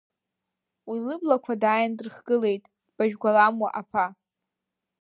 Уи лыблақәа дааин дрыхгылеит дбажәгәаламуа аԥа.